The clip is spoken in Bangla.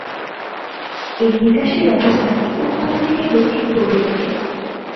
এর নিকাশী ব্যবস্থাটি উত্তর থেকে দক্ষিণ-পূর্ব দিকে।